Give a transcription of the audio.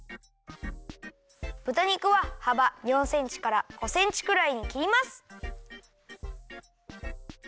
ぶた肉ははば４センチから５センチくらいにきります。